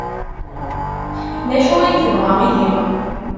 D acu ay tebɣa ihi?